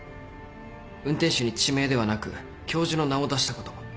運転手に地名ではなく教授の名を出したこと。